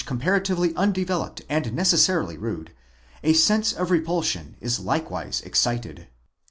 comparatively undeveloped and necessarily rude, a sense of repulsion is like wise excited.